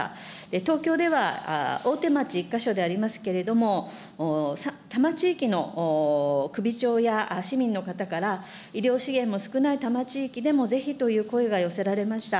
東京では大手町１か所でありますけれども、多摩地域の首長や市民の方から、医療資源も少ない多摩地域でもぜひという声が寄せられました。